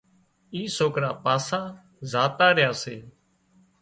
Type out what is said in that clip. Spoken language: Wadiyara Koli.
اين سوڪرا پاسا زاتا ريا سي